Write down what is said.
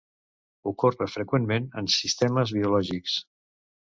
Ocorre freqüentment en sistemes biològics.